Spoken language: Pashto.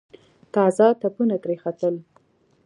تازه تپونه ترې ختل.